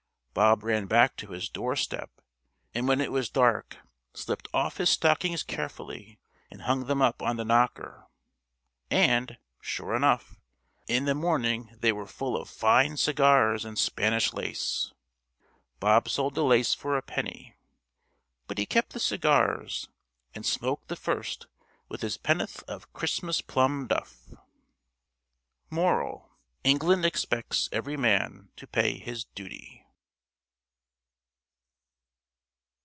Bob ran back to his doorstep, and when it was dark slipped off his stockings carefully and hung them up on the knocker. And sure enough! in the morning they were fall of fine cigars and Spanish lace. Bob sold the lace for a penny, but he kept the cigars and smoked the first with his penn'uth of Christmas plum duff. Moral: England expects every man to pay his duty.